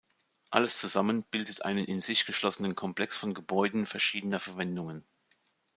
Alles zusammen bildet einen in sich geschlossenen Komplex von Gebäuden verschiedener Verwendungen.